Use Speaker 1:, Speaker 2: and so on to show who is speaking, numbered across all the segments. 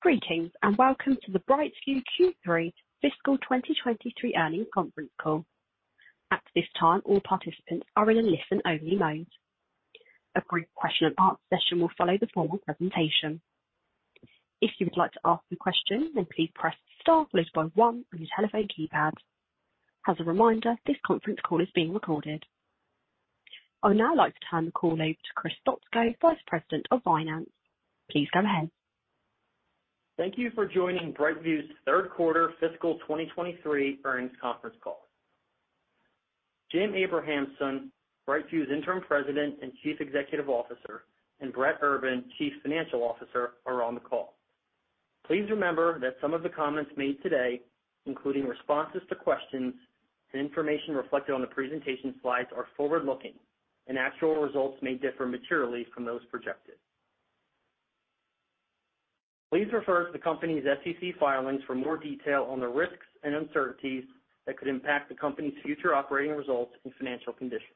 Speaker 1: Greetings, welcome to the BrightView Q3 Fiscal 2023 Earnings Conference Call. At this time, all participants are in a listen-only mode. A brief question-and-answer session will follow the formal presentation. If you would like to ask a question, then please press star followed by one on your telephone keypad. As a reminder, this conference call is being recorded. I would now like to turn the call over to Chris Stoczko, Vice President of Finance. Please go ahead.
Speaker 2: Thank you for joining BrightView's third quarter fiscal 2023 earnings conference call. Jim Abrahamson, BrightView's Interim President and Chief Executive Officer, and Brett Urban, Chief Financial Officer, are on the call. Please remember that some of the comments made today, including responses to questions and information reflected on the presentation slides, are forward-looking, and actual results may differ materially from those projected. Please refer to the company's SEC filings for more detail on the risks and uncertainties that could impact the company's future operating results and financial conditions.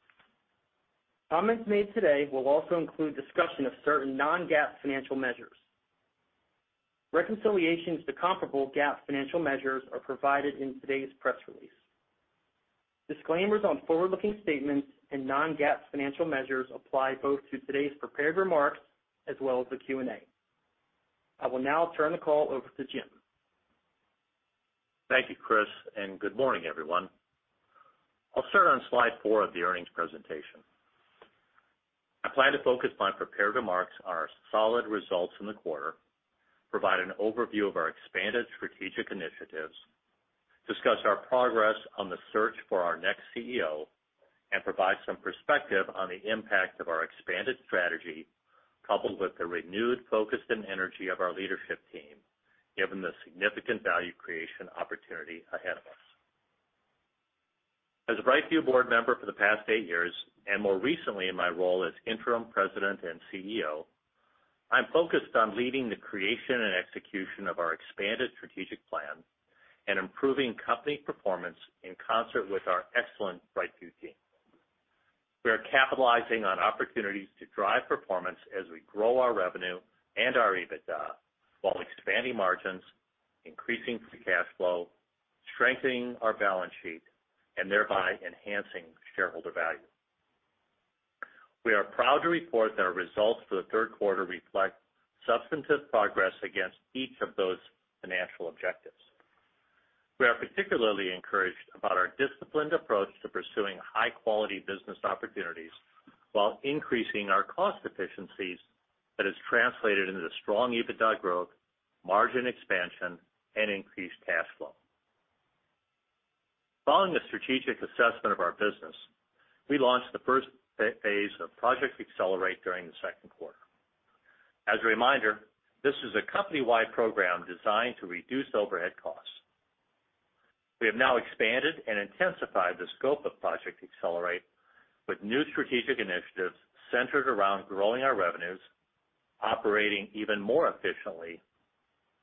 Speaker 2: Comments made today will also include discussion of certain non-GAAP financial measures. Reconciliations to comparable GAAP financial measures are provided in today's press release. Disclaimers on forward-looking statements and non-GAAP financial measures apply both to today's prepared remarks as well as the Q&A. I will now turn the call over to Jim.
Speaker 3: Thank you, Chris. Good morning, everyone. I'll start on slide four of the earnings presentation. I plan to focus my prepared remarks on our solid results in the quarter, provide an overview of our expanded strategic initiatives, discuss our progress on the search for our next CEO, and provide some perspective on the impact of our expanded strategy, coupled with the renewed focus and energy of our leadership team, given the significant value creation opportunity ahead of us. As a BrightView board member for the past eight years, and more recently in my role as Interim President and CEO, I'm focused on leading the creation and execution of our expanded strategic plan and improving company performance in concert with our excellent BrightView team. We are capitalizing on opportunities to drive performance as we grow our revenue and our EBITDA, while expanding margins, increasing free cash flow, strengthening our balance sheet, and thereby enhancing shareholder value. We are proud to report that our results for the third quarter reflect substantive progress against each of those financial objectives. We are particularly encouraged about our disciplined approach to pursuing high-quality business opportunities while increasing our cost efficiencies that has translated into strong EBITDA growth, margin expansion, and increased cash flow. Following the strategic assessment of our business, we launched the first phase of Project Accelerate during the second quarter. As a reminder, this is a company-wide program designed to reduce overhead costs. We have now expanded and intensified the scope of Project Accelerate with new strategic initiatives centered around growing our revenues, operating even more efficiently,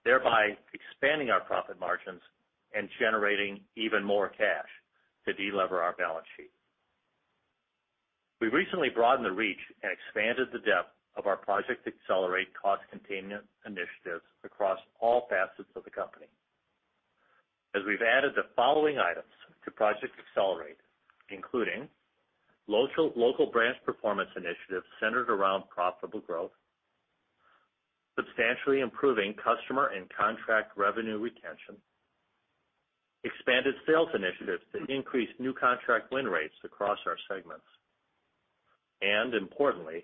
Speaker 3: thereby expanding our profit margins and generating even more cash to delever our balance sheet. We recently broadened the reach and expanded the depth of our Project Accelerate cost containment initiatives across all facets of the company. As we've added the following items to Project Accelerate, including local, local branch performance initiatives centered around profitable growth, substantially improving customer and contract revenue retention, expanded sales initiatives to increase new contract win rates across our segments, and importantly,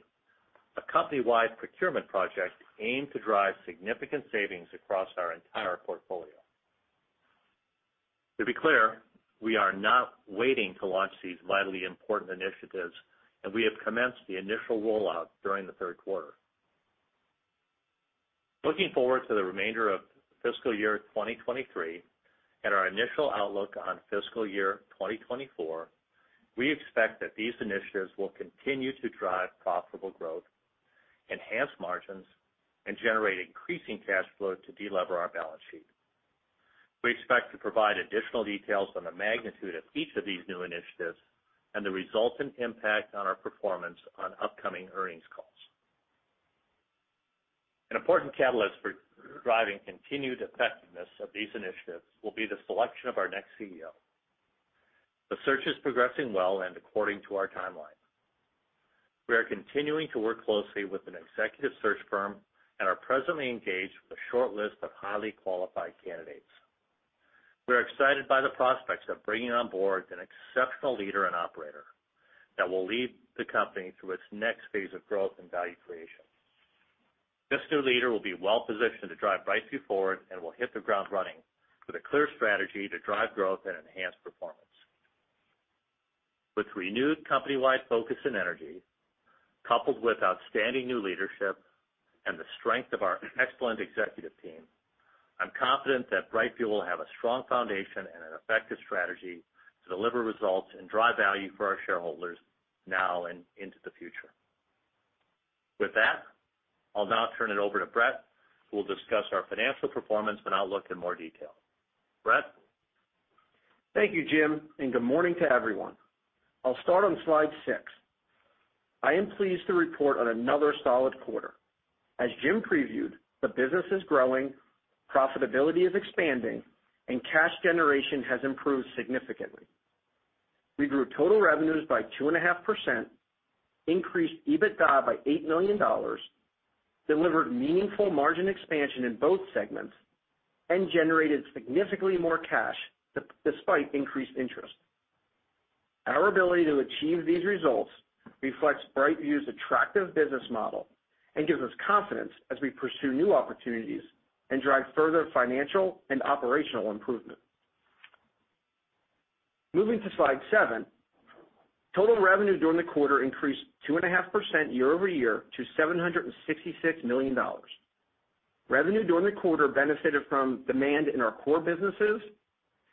Speaker 3: a company-wide procurement project aimed to drive significant savings across our entire portfolio. To be clear, we are not waiting to launch these vitally important initiatives, and we have commenced the initial rollout during the third quarter. Looking forward to the remainder of fiscal year 2023 and our initial outlook on fiscal year 2024, we expect that these initiatives will continue to drive profitable growth, enhance margins, and generate increasing cash flow to delever our balance sheet. We expect to provide additional details on the magnitude of each of these new initiatives and the resultant impact on our performance on upcoming earnings calls. An important catalyst for driving continued effectiveness of these initiatives will be the selection of our next CEO. The search is progressing well and according to our timeline. We are continuing to work closely with an executive search firm and are presently engaged with a short list of highly qualified candidates. We are excited by the prospects of bringing on board an exceptional leader and operator that will lead the company through its next phase of growth and value creation. This new leader will be well-positioned to drive BrightView forward and will hit the ground running with a clear strategy to drive growth and enhance performance. With renewed company-wide focus and energy, coupled with outstanding new leadership and the strength of our excellent executive team, I'm confident that BrightView will have a strong foundation and an effective strategy to deliver results and drive value for our shareholders now and into the future. With that, I'll now turn it over to Brett, who will discuss our financial performance and outlook in more detail. Brett?
Speaker 4: Thank you, Jim, and good morning to everyone. I'll start on slide six. I am pleased to report on another solid quarter. As Jim previewed, the business is growing, profitability is expanding, and cash generation has improved significantly. We grew total revenues by 2.5%, increased EBITDA by $8 million, delivered meaningful margin expansion in both segments, and generated significantly more cash, despite increased interest. Our ability to achieve these results reflects BrightView's attractive business model and gives us confidence as we pursue new opportunities and drive further financial and operational improvement. Moving to slide seven. Total revenue during the quarter increased 2.5% year-over-year to $766 million. Revenue during the quarter benefited from demand in our core businesses,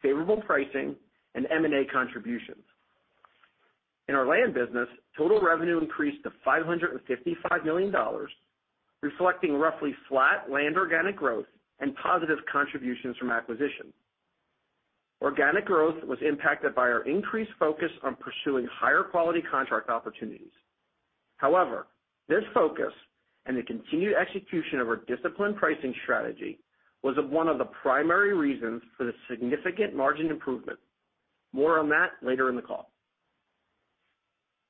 Speaker 4: favorable pricing, and M&A contributions. In our Land business, total revenue increased to $555 million, reflecting roughly flat Land organic growth and positive contributions from acquisition. Organic growth was impacted by our increased focus on pursuing higher quality contract opportunities. This focus and the continued execution of our disciplined pricing strategy was one of the primary reasons for the significant margin improvement. More on that later in the call.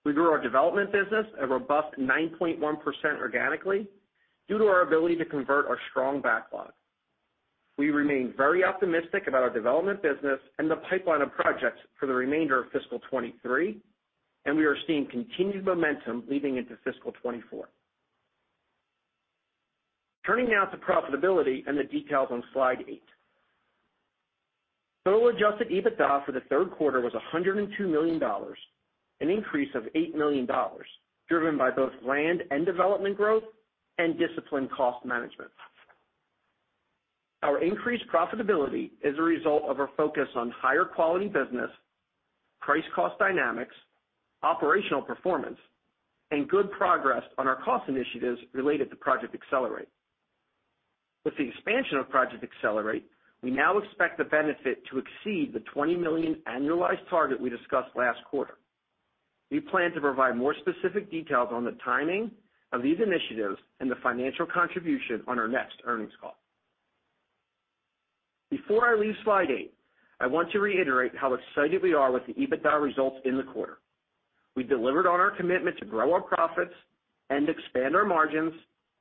Speaker 4: We grew our Development business a robust 9.1% organically due to our ability to convert our strong backlog. We remain very optimistic about our Development business and the pipeline of projects for the remainder of fiscal 2023. We are seeing continued momentum leading into fiscal 2024. Turning now to profitability and the details on Slide eight. Total adjusted EBITDA for the third quarter was $102 million, an increase of $8 million, driven by both land and development growth and disciplined cost management. Our increased profitability is a result of our focus on higher quality business, price-cost dynamics, operational performance, and good progress on our cost initiatives related to Project Accelerate. With the expansion of Project Accelerate, we now expect the benefit to exceed the $20 million annualized target we discussed last quarter. We plan to provide more specific details on the timing of these initiatives and the financial contribution on our next earnings call. Before I leave slide eight, I want to reiterate how excited we are with the EBITDA results in the quarter. We delivered on our commitment to grow our profits and expand our margins,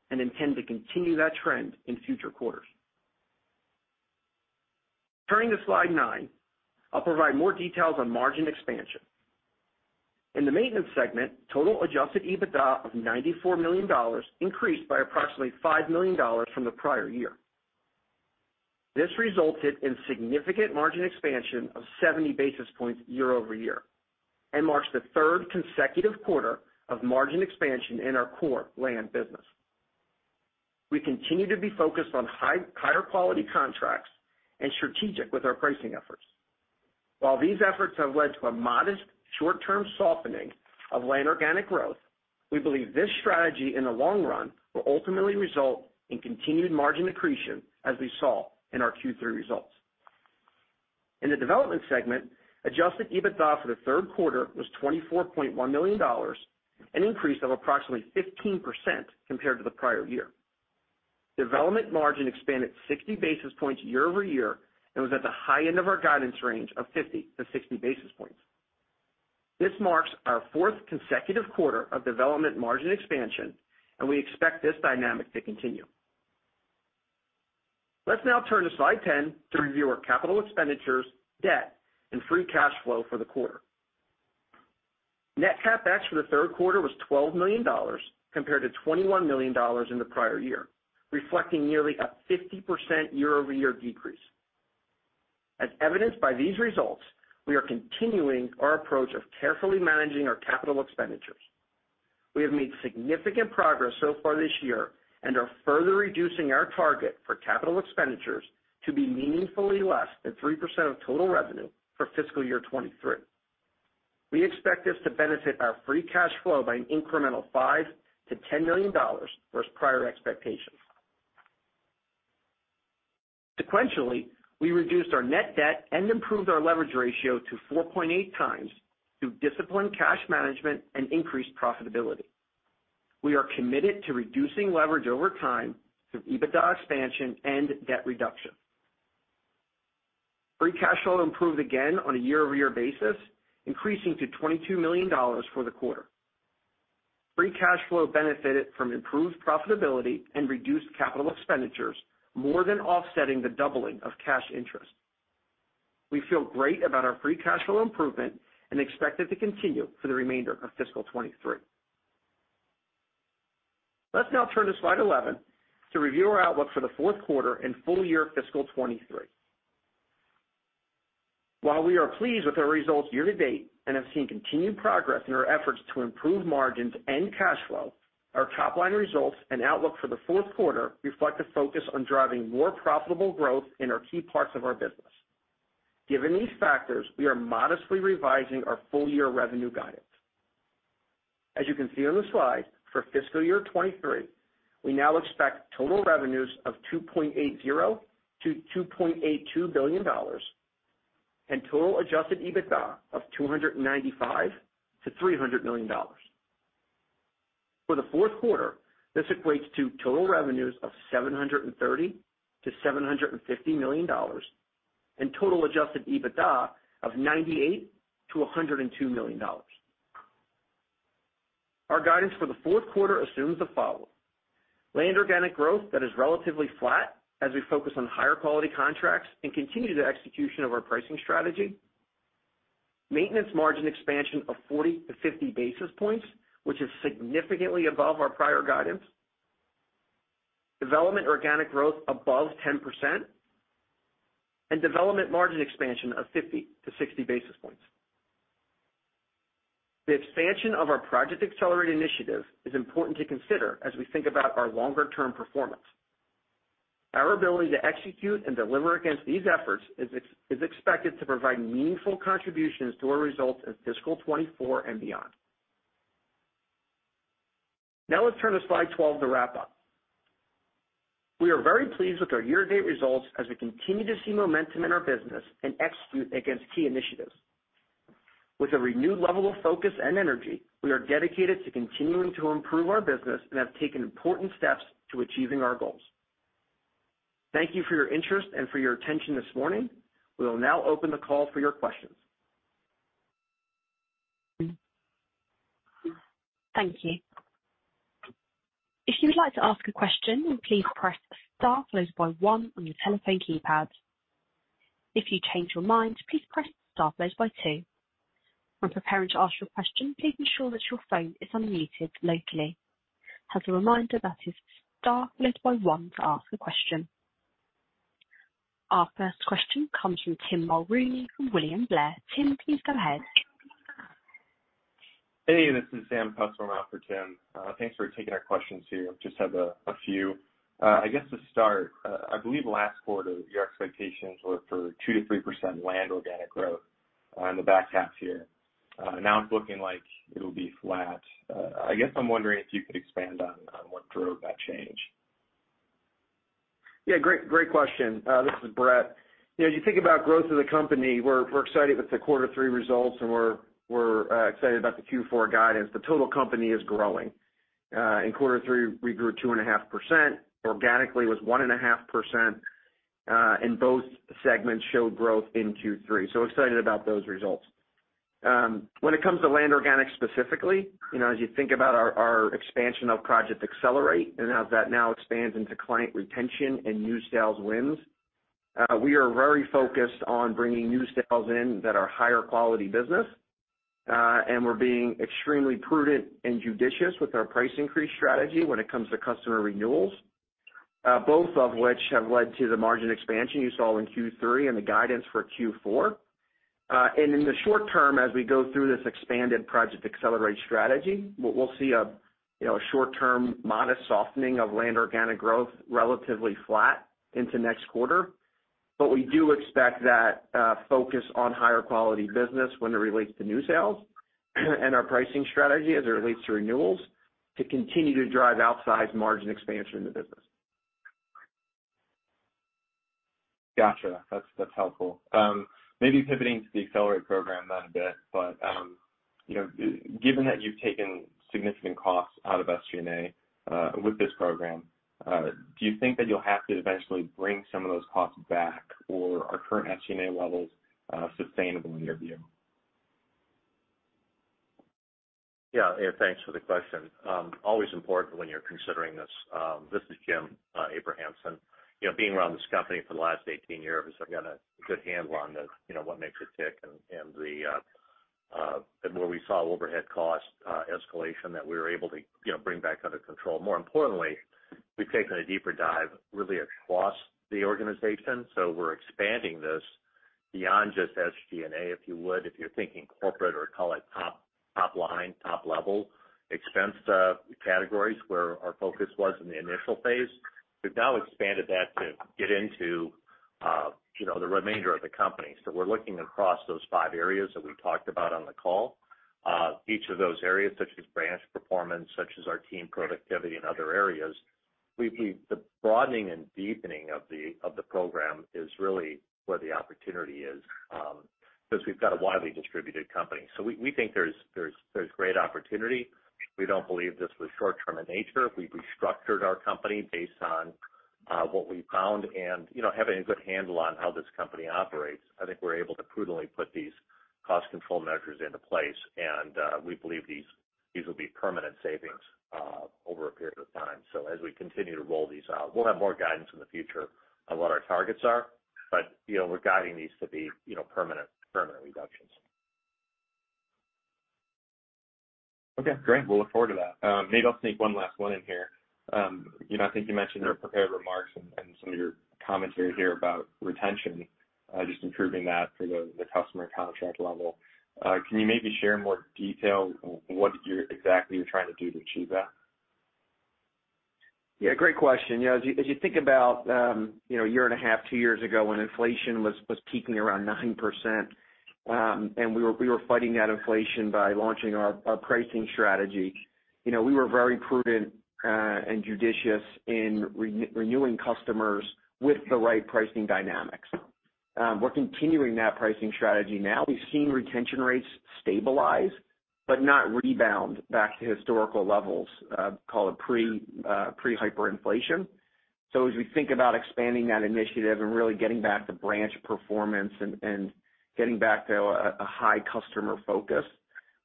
Speaker 4: and intend to continue that trend in future quarters. Turning to slide nine, I'll provide more details on margin expansion. In the Maintenance segment, total adjusted EBITDA of $94 million increased by approximately $5 million from the prior year. This resulted in significant margin expansion of 70 basis points year-over-year, and marks the third consecutive quarter of margin expansion in our core Land business. We continue to be focused on higher quality contracts and strategic with our pricing efforts. While these efforts have led to a modest short-term softening of Land organic growth, we believe this strategy, in the long run, will ultimately result in continued margin accretion, as we saw in our Q3 results. In the Development segment, adjusted EBITDA for the third quarter was $24.1 million, an increase of approximately 15% compared to the prior year. Development margin expanded 60 basis points year-over-year and was at the high end of our guidance range of 50-60 basis points. This marks our fourth consecutive quarter of development margin expansion. We expect this dynamic to continue. Let's now turn to slide 10 to review our capital expenditures, debt, and Free Cash Flow for the quarter. Net CapEx for the third quarter was $12 million, compared to $21 million in the prior year, reflecting nearly a 50% year-over-year decrease. As evidenced by these results, we are continuing our approach of carefully managing our capital expenditures. We have made significant progress so far this year and are further reducing our target for capital expenditures to be meaningfully less than 3% of total revenue for fiscal year 2023. We expect this to benefit our Free Cash Flow by an incremental $5 million-$10 million versus prior expectations. Sequentially, we reduced our net debt and improved our leverage ratio to 4.8x through disciplined cash management and increased profitability. We are committed to reducing leverage over time through EBITDA expansion and debt reduction. Free Cash Flow improved again on a year-over-year basis, increasing to $22 million for the quarter. Free Cash Flow benefited from improved profitability and reduced capital expenditures, more than offsetting the doubling of cash interest. We feel great about our Free Cash Flow improvement and expect it to continue for the remainder of fiscal 2023. Let's now turn to slide 11 to review our outlook for the fourth quarter and full year fiscal 2023. While we are pleased with our results year to date and have seen continued progress in our efforts to improve margins and cash flow, our top-line results and outlook for the fourth quarter reflect a focus on driving more profitable growth in our key parts of our business. Given these factors, we are modestly revising our full-year revenue guidance. As you can see on the slide, for fiscal year 2023, we now expect total revenues of $2.80 billion-$2.82 billion and total adjusted EBITDA of $295-$300 million. For the fourth quarter, this equates to total revenues of $730 million-$750 million and total adjusted EBITDA of $98 million-$102 million. Our guidance for the fourth quarter assumes the following: land organic growth that is relatively flat as we focus on higher quality contracts and continue the execution of our pricing strategy, maintenance margin expansion of 40-50 basis points, which is significantly above our prior guidance, development organic growth above 10%, and development margin expansion of 50-60 basis points. The expansion of our Project Accelerate initiative is important to consider as we think about our longer-term performance. Our ability to execute and deliver against these efforts is expected to provide meaningful contributions to our results in fiscal 2024 and beyond. Let's turn to slide 12 to wrap up. We are very pleased with our year-to-date results as we continue to see momentum in our business and execute against key initiatives. With a renewed level of focus and energy, we are dedicated to continuing to improve our business and have taken important steps to achieving our goals. Thank you for your interest and for your attention this morning. We will now open the call for your questions.
Speaker 1: Thank you. If you would like to ask a question, please press star followed by one on your telephone keypad. If you change your mind, please press star followed by two. When preparing to ask your question, please ensure that your phone is unmuted locally. As a reminder, that is star followed by one to ask a question. Our first question comes from Tim Mulrooney from William Blair. Tim, please go ahead.
Speaker 5: Hey, this is Sam Pass on for Tim. Thanks for taking our questions here. Just have a few. I guess to start, I believe last quarter, your expectations were for 2%-3% Land organic growth in the back half here. Now it's looking like it'll be flat. I guess I'm wondering if you could expand on what drove that change.
Speaker 4: Yeah, great, great question. This is Brett. You know, as you think about growth of the company, we're, we're excited with the quarter three results, we're, we're, excited about the Q4 guidance. The total company is growing. In quarter three, we grew 2.5%, organically was 1.5%, and both segments showed growth in Q3. Excited about those results. When it comes to Land organic, specifically, you know, as you think about our, our expansion of Project Accelerate and as that now expands into client retention and new sales wins, we are very focused on bringing new sales in that are higher quality business, and we're being extremely prudent and judicious with our price increase strategy when it comes to customer renewals. Both of which have led to the margin expansion you saw in Q3 and the guidance for Q4. In the short term, as we go through this expanded Project Accelerate strategy, we'll see a, you know, a short-term modest softening of Land organic growth, relatively flat into next quarter. We do expect that focus on higher quality business when it relates to new sales, and our pricing strategy as it relates to renewals, to continue to drive outsized margin expansion in the business.
Speaker 5: Gotcha. That's, that's helpful. Maybe pivoting to the Accelerate program then a bit, but, you know, given that you've taken significant costs out of SG&A, with this program, do you think that you'll have to eventually bring some of those costs back, or are current SG&A levels, sustainable in your view?
Speaker 3: Thanks for the question. Always important when you're considering this, this is Jim Abrahamson. You know, being around this company for the last 18 years, I've got a good handle on the, you know, what makes it tick and, and where we saw overhead cost escalation that we were able to, you know, bring back under control. More importantly, we've taken a deeper dive really across the organization, so we're expanding this beyond just SG&A, if you would, if you're thinking corporate or call it top, top line, top level expense categories, where our focus was in the initial phase. We've now expanded that to get into, you know, the remainder of the company. We're looking across those 5 areas that we talked about on the call. Each of those areas, such as branch performance, such as our team productivity and other areas, we, the broadening and deepening of the program is really where the opportunity is because we've got a widely distributed company. We, we think there's, there's, there's great opportunity. We don't believe this was short term in nature. We've restructured our company based on what we found, and, you know, having a good handle on how this company operates, I think we're able to prudently put these cost control measures into place, and we believe these, these will be permanent savings over a period of time. As we continue to roll these out, we'll have more guidance in the future on what our targets are. You know, we're guiding these to be, you know, permanent, permanent reductions.
Speaker 5: Okay, great. We'll look forward to that. Maybe I'll sneak one last one in here. You know, I think you mentioned in your prepared remarks and, and some of your commentary here about retention, just improving that for the, the customer contract level. Can you maybe share more detail on what you're exactly you're trying to do to achieve that?
Speaker 4: Yeah, great question. You know, as you, as you think about, you know, 1.5, two years ago, when inflation was, was peaking around 9%, and we were, we were fighting that inflation by launching our, our pricing strategy, you know, we were very prudent and judicious in re-renewing customers with the right pricing dynamics. We're continuing that pricing strategy now. We've seen retention rates stabilize, but not rebound back to historical levels, call it pre-hyperinflation. So as we think about expanding that initiative and really getting back to branch performance and, and getting back to a, a high customer focus,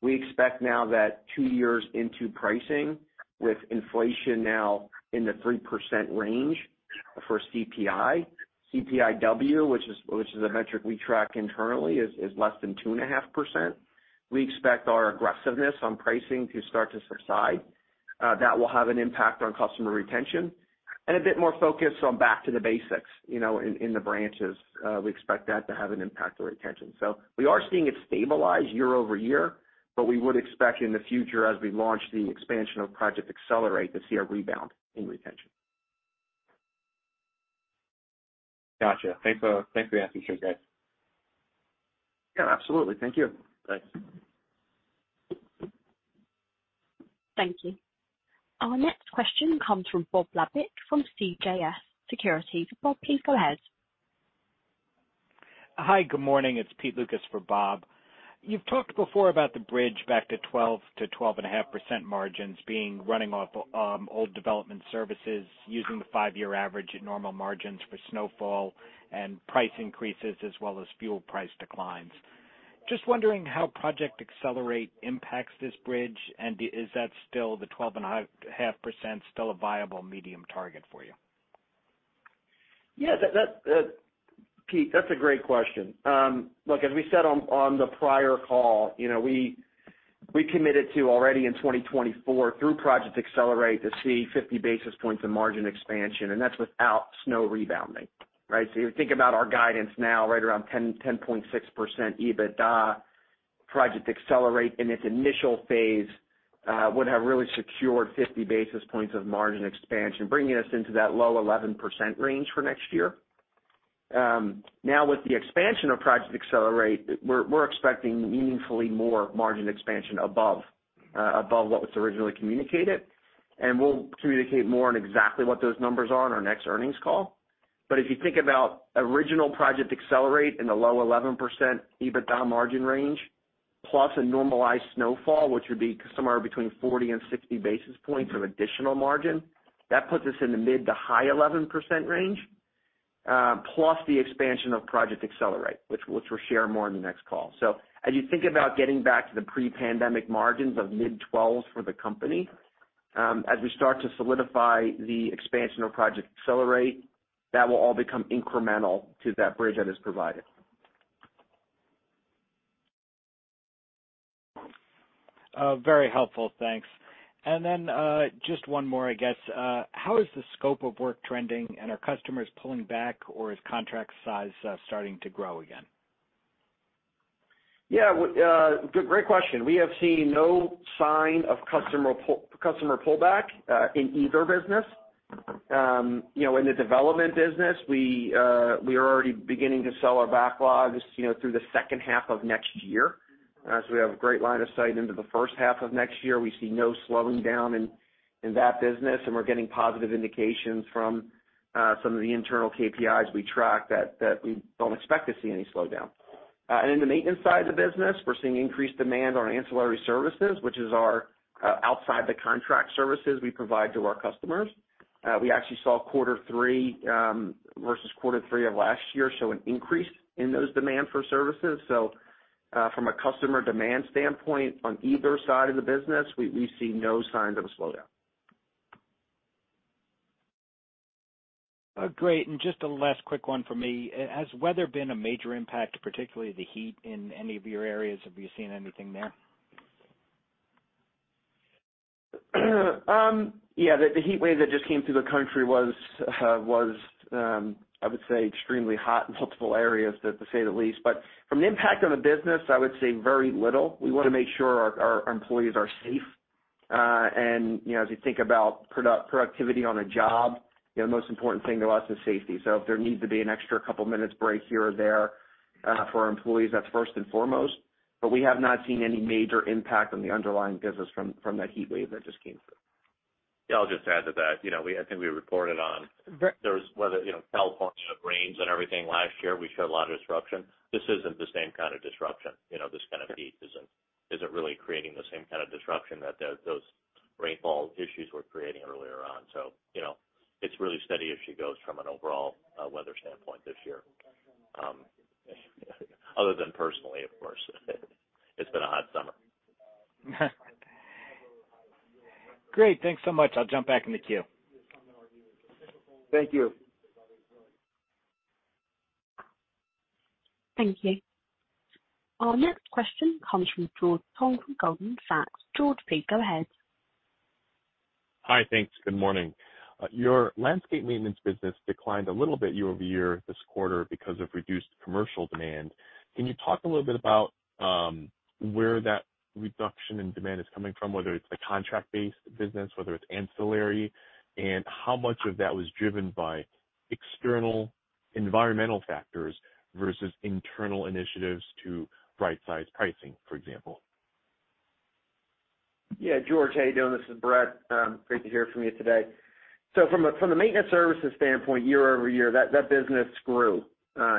Speaker 4: we expect now that two years into pricing, with inflation now in the 3% range for CPI. CPI-W, which is a metric we track internally, is less than 2.5%. We expect our aggressiveness on pricing to start to subside. That will have an impact on customer retention and a bit more focus on back to the basics, you know, in the branches. We expect that to have an impact on retention. We are seeing it stabilize year-over-year, but we would expect in the future, as we launch the expansion of Project Accelerate, to see a rebound in retention.
Speaker 5: Gotcha. Thanks for, thanks for the answer here, Brett.
Speaker 4: Yeah, absolutely. Thank you.
Speaker 5: Thanks.
Speaker 1: Thank you. Our next question comes from Bob Labick from CJS Securities. Bob, please go ahead.
Speaker 6: Hi, good morning. It's Pete Lukas for Bob. You've talked before about the bridge back to 12% to 12.5% margins being running off, old development services, using the five-year average at normal margins for snowfall and price increases as well as fuel price declines. Just wondering how Project Accelerate impacts this bridge, and is that still the 12.5% still a viable medium target for you?
Speaker 4: Yeah, that, that, Pete, that's a great question. Look, as we said on, on the prior call, you know, we, we committed to already in 2024 through Project Accelerate to see 50 basis points of margin expansion, and that's without snow rebounding, right? You think about our guidance now, right around 10, 10.6% EBITDA, Project Accelerate, in its initial phase, would have really secured 50 basis points of margin expansion, bringing us into that low 11% range for next year. Now, with the expansion of Project Accelerate, we're, we're expecting meaningfully more margin expansion above, above what was originally communicated, and we'll communicate more on exactly what those numbers are on our next earnings call. If you think about original Project Accelerate in the low 11% EBITDA margin range, plus a normalized snowfall, which would be somewhere between 40 and 60 basis points of additional margin, that puts us in the mid to high 11% range, plus the expansion of Project Accelerate, which, which we'll share more in the next call. As you think about getting back to the pre-pandemic margins of mid 12s for the company, as we start to solidify the expansion of Project Accelerate, that will all become incremental to that bridge that is provided.
Speaker 6: Very helpful, thanks. Just one more, I guess. How is the scope of work trending, and are customers pulling back, or is contract size starting to grow again?
Speaker 4: Yeah, good, great question. We have seen no sign of customer pull, customer pullback in either business. You know, in the development business, we are already beginning to sell our backlogs, you know, through the second half of next year. We have a great line of sight into the first half of next year. We see no slowing down in that business, and we're getting positive indications from some of the internal KPIs we track that we don't expect to see any slowdown. In the maintenance side of the business, we're seeing increased demand on ancillary services, which is our outside the contract services we provide to our customers. We actually saw quarter three versus quarter three of last year show an increase in those demand for services. From a customer demand standpoint, on either side of the business, we, we see no signs of a slowdown.
Speaker 6: Great. Just a last quick one for me. Has weather been a major impact, particularly the heat, in any of your areas? Have you seen anything there?
Speaker 4: Yeah, the, the heat wave that just came through the country was, I would say, extremely hot in multiple areas, to say the least. From an impact on the business, I would say very little. We want to make sure our, our employees are safe. And, you know, as you think about productivity on a job, you know, the most important thing to us is safety. If there needs to be an extra couple minutes break here or there, for our employees, that's first and foremost, but we have not seen any major impact on the underlying business from, from that heat wave that just came through.
Speaker 3: Yeah, I'll just add to that. You know, I think we reported on-
Speaker 4: Ve-
Speaker 3: there was weather, you know, California rains and everything last year, we saw a lot of disruption. This isn't the same kind of disruption. You know, this kind of heat isn't, isn't really creating the same kind of disruption that the, those rainfall issues were creating earlier on. You know, it's really steady as she goes from an overall, weather standpoint this year. Other than personally, of course, it's been a hot summer.
Speaker 6: Great. Thanks so much. I'll jump back in the queue.
Speaker 4: Thank you.
Speaker 1: Thank you. Our next question comes from George Tong from Goldman Sachs. George, please go ahead.
Speaker 7: Hi, thanks. Good morning. Your landscape maintenance business declined a little bit year-over-year this quarter because of reduced commercial demand. Can you talk a little bit about where that reduction in demand is coming from, whether it's a contract-based business, whether it's ancillary, and how much of that was driven by external... environmental factors versus internal initiatives to right-size pricing, for example?
Speaker 4: Yeah, George, how you doing? This is Brett. Great to hear from you today. From a, from the maintenance services standpoint, year-over-year, that, that business grew,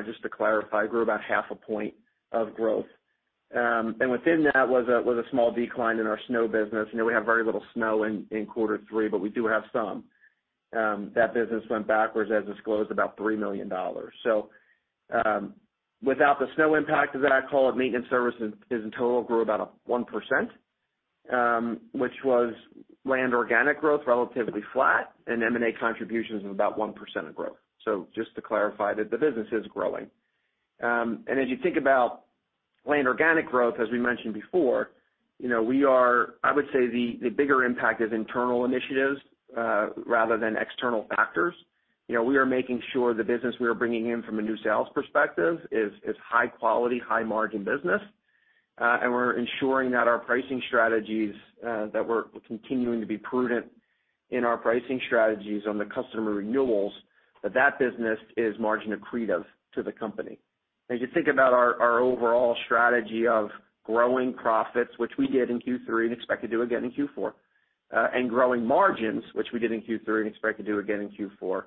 Speaker 4: just to clarify, grew about half a point of growth. Within that was a, was a small decline in our snow business. You know, we have very little snow in, in quarter three, but we do have some. That business went backwards, as disclosed, about $3 million. Without the snow impact, as I call it, maintenance services in total grew about a 1%, which was Land organic growth, relatively flat, and M&A contributions of about 1% of growth. Just to clarify that the business is growing. As you think about Land organic growth, as we mentioned before, you know, we I would say the, the bigger impact is internal initiatives, rather than external factors. You know, we are making sure the business we are bringing in from a new sales perspective is high quality, high margin business. We're ensuring that our pricing strategies, that we're continuing to be prudent in our pricing strategies on the customer renewals, that that business is margin accretive to the company. As you think about our, our overall strategy of growing profits, which we did in Q3 and expect to do again in Q4, and growing margins, which we did in Q3 and expect to do again in Q4,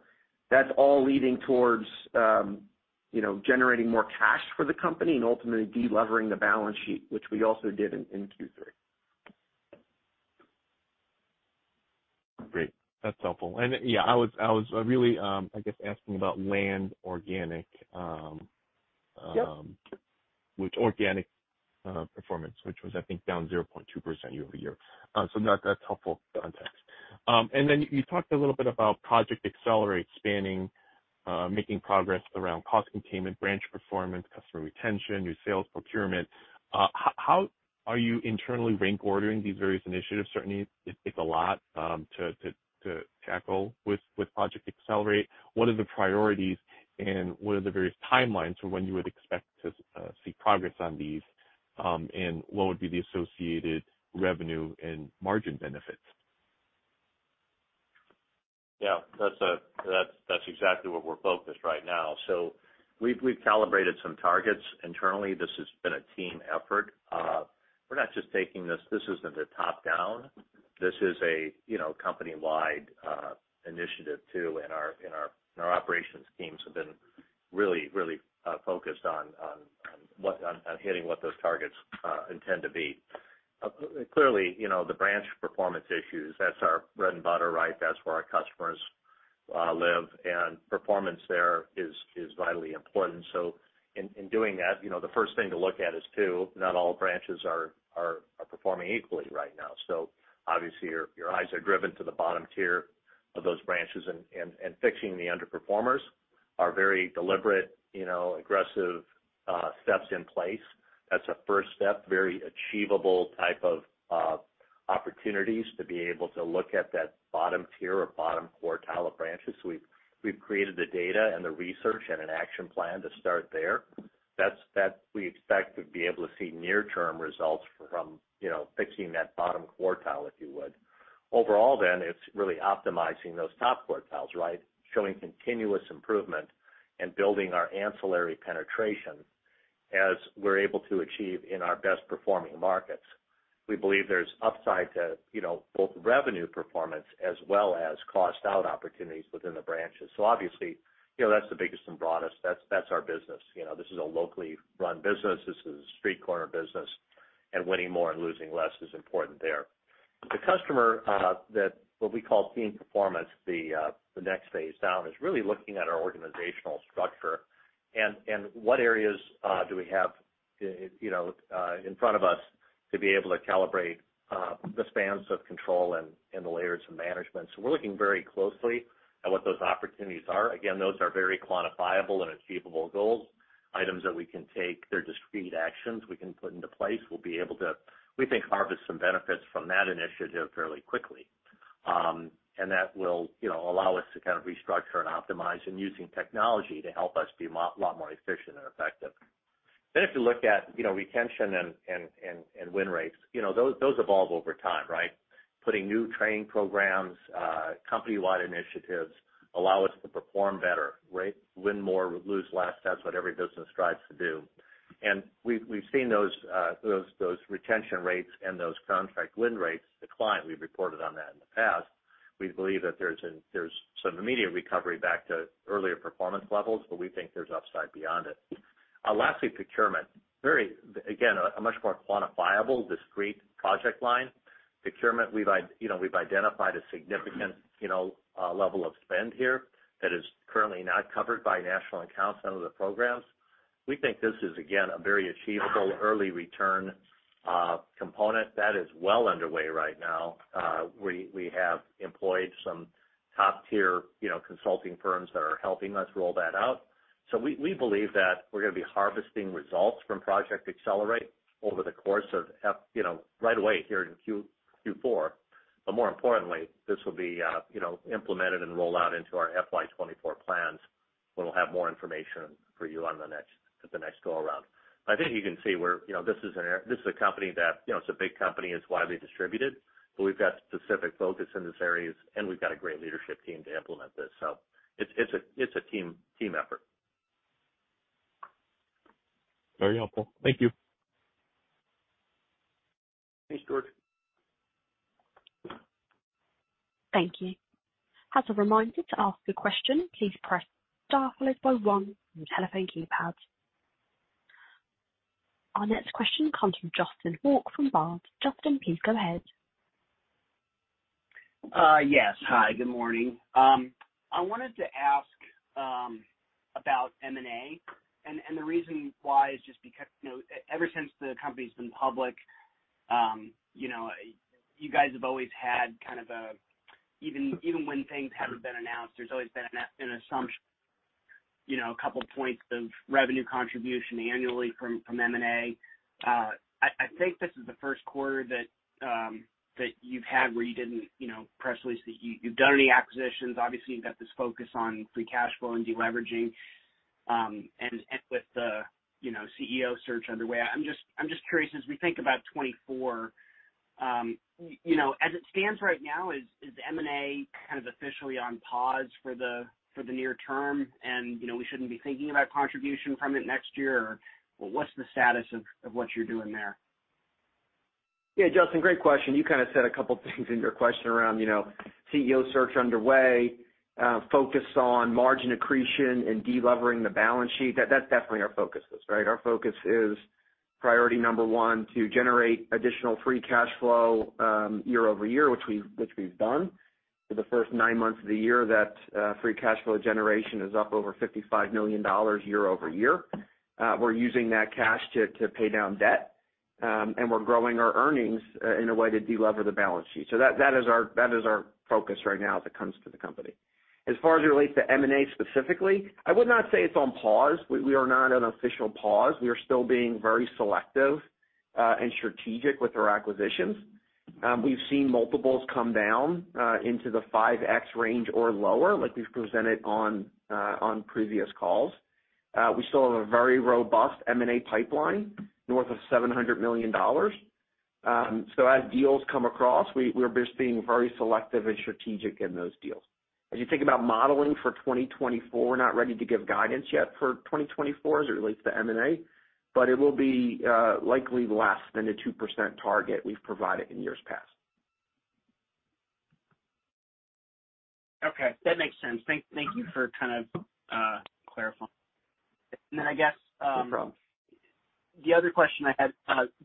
Speaker 4: that's all leading towards, you know, generating more cash for the company and ultimately, delevering the balance sheet, which we also did in, in Q3.
Speaker 7: Great, that's helpful. Yeah, I was, I was really, I guess, asking about land organic.
Speaker 4: Yep ...
Speaker 7: which organic performance, which was, I think, down 0.2% year-over-year. That's, that's helpful context. Then you talked a little bit about Project Accelerate, spanning making progress around cost containment, branch performance, customer retention, new sales, procurement. How, how are you internally rank ordering these various initiatives? Certainly, it takes a lot to, to, to tackle with, with Project Accelerate. What are the priorities, and what are the various timelines for when you would expect to see progress on these, and what would be the associated revenue and margin benefits?
Speaker 3: Yeah, that's, that's exactly what we're focused right now. We've, we've calibrated some targets internally. This has been a team effort. We're not just taking this... This isn't a top-down. This is a, you know, company-wide, initiative, too, and our, and our, and our operations teams have been really, really, focused on, on, on what-- on, on hitting what those targets, intend to be. Clearly, you know, the branch performance issues, that's our bread and butter, right? That's where our customers, live, and performance there is, is vitally important. In, in doing that, you know, the first thing to look at is, too, not all branches are, are, are performing equally right now. Obviously, your, your eyes are driven to the bottom tier of those branches, and fixing the underperformers are very deliberate, you know, aggressive steps in place. That's a first step, very achievable type of opportunities to be able to look at that bottom tier or bottom quartile of branches. We've, we've created the data and the research and an action plan to start there. That's, that we expect to be able to see near-term results from, you know, fixing that bottom quartile, if you would. Overall, it's really optimizing those top quartiles, right? Showing continuous improvement and building our ancillary penetration as we're able to achieve in our best performing markets. We believe there's upside to, you know, both revenue performance as well as cost out opportunities within the branches. Obviously, you know, that's the biggest and broadest. That's, that's our business. You know, this is a locally run business. This is a street corner business, and winning more and losing less is important there. The customer, that what we call team performance, the next phase down, is really looking at our organizational structure and what areas do we have, you know, in front of us to be able to calibrate the spans of control and the layers of management. We're looking very closely at what those opportunities are. Again, those are very quantifiable and achievable goals, items that we can take. They're discrete actions we can put into place. We'll be able to, we think, harvest some benefits from that initiative fairly quickly. That will, you know, allow us to kind of restructure and optimize and using technology to help us be a lot more efficient and effective. If you look at, you know, retention and, and, and, and win rates, you know, those, those evolve over time, right? Putting new training programs, company-wide initiatives allow us to perform better, right? Win more, lose less. That's what every business strives to do. We've, we've seen those, those, those retention rates and those contract win rates decline. We've reported on that in the past. We believe that there's some immediate recovery back to earlier performance levels, but we think there's upside beyond it. Lastly, procurement. Very, again, a much more quantifiable, discrete project line. Procurement, we've, you know, we've identified a significant, you know, level of spend here that is currently not covered by national accounts under the programs. We think this is, again, a very achievable, early return, component that is well underway right now. We, we have employed some top-tier, you know, consulting firms that are helping us roll that out. We, we believe that we're going to be harvesting results from Project Accelerate over the course of you know, right away here in Q4. More importantly, this will be, you know, implemented and rolled out into our FY 2024 plans, when we'll have more information for you on the next, at the next go around....
Speaker 4: I think you can see where, you know, this is a company that, you know, it's a big company, it's widely distributed, but we've got specific focus in these areas, and we've got a great leadership team to implement this, so it's, it's a, it's a team, team effort.
Speaker 7: Very helpful. Thank you.
Speaker 4: Thanks, Jordan.
Speaker 1: Thank you. As a reminder, to ask a question, please press star followed by one on your telephone keypad. Our next question comes from Justin Hauke from Baird. Justin, please go ahead.
Speaker 8: Yes. Hi, good morning. I wanted to ask about M&A, and the reason why is just because, you know, ever since the company's been public, you know, you guys have always had kind of even when things haven't been announced, there's always been an assumption, you know, a couple points of revenue contribution annually from M&A. I think this is the first quarter that you've had where you didn't, you know, press release that you've done any acquisitions. Obviously, you've got this focus on Free Cash Flow and deleveraging, and with the, you know, CEO search underway. I'm just curious, as we think about 2024, you know, as it stands right now, is M&A kind of officially on pause for the, for the near term? you know, we shouldn't be thinking about contribution from it next year, or what's the status of, of what you're doing there?
Speaker 4: Yeah, Justin, great question. You kind of said a couple things in your question around, you know, CEO search underway, focus on margin accretion and delevering the balance sheet. That's definitely our focuses, right? Our focus is priority number one, to generate additional Free Cash Flow, year-over-year, which we've done. For the first nine months of the year, that Free Cash Flow generation is up over $55 million year-over-year. We're using that cash to pay down debt, and we're growing our earnings in a way to delever the balance sheet. That is our focus right now as it comes to the company. As far as it relates to M&A specifically, I would not say it's on pause. We are not on official pause. We are still being very selective, and strategic with our acquisitions. We've seen multiples come down, into the 5x range or lower, like we've presented on previous calls. We still have a very robust M&A pipeline, north of $700 million. As deals come across, we-we're just being very selective and strategic in those deals. As you think about modeling for 2024, we're not ready to give guidance yet for 2024 as it relates to M&A, but it will be likely less than the 2% target we've provided in years past.
Speaker 8: Okay, that makes sense. Thank, thank you for kind of, clarifying. Then I guess.
Speaker 4: No problem.
Speaker 8: The other question I had,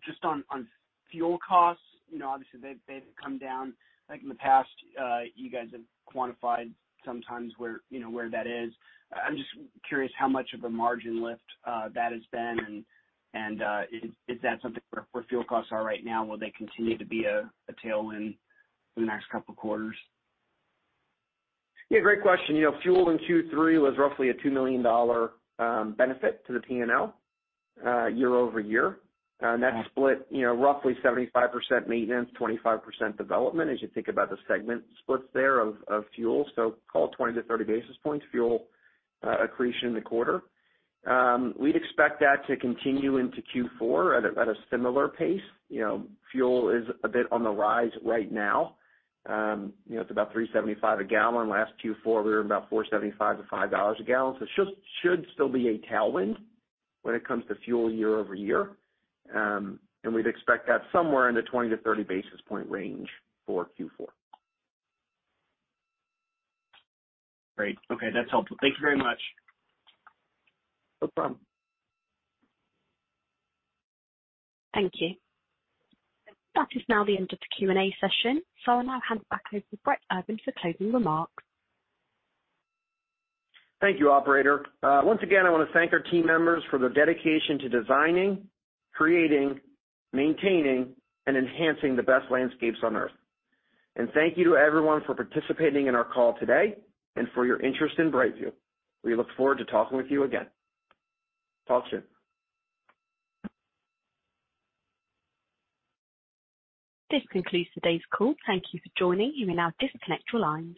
Speaker 8: just on, on fuel costs, you know, obviously, they've, they've come down. Like, in the past, you guys have quantified sometimes where, you know, where that is. I'm just curious how much of a margin lift that has been, and is that something where, where fuel costs are right now, will they continue to be a tailwind for the next couple of quarters?
Speaker 4: Yeah, great question. You know, fuel in Q3 was roughly a $2 million benefit to the P&L year-over-year. That's split, you know, roughly 75% maintenance, 25% development, as you think about the segment splits there of fuel. Call 20-30 basis points, fuel accretion in the quarter. We'd expect that to continue into Q4 at a similar pace. You know, fuel is a bit on the rise right now. You know, it's about $3.75 a gal. Last Q4, we were about $4.75-$5 a gal. It should still be a tailwind when it comes to fuel year-over-year. We'd expect that somewhere in the 20-30 basis point range for Q4.
Speaker 8: Great. Okay, that's helpful. Thank you very much.
Speaker 4: No problem.
Speaker 1: Thank you. That is now the end of the Q&A session, so I'll now hand it back over to Brett Urban for closing remarks.
Speaker 4: Thank you, operator. Once again, I want to thank our team members for their dedication to designing, creating, maintaining, and enhancing the best landscapes on Earth. Thank you to everyone for participating in our call today and for your interest in BrightView. We look forward to talking with you again. Talk soon.
Speaker 1: This concludes today's call. Thank you for joining. You may now disconnect your lines.